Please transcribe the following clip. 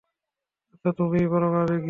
আচ্ছা, তুমিই বরং আবেগী।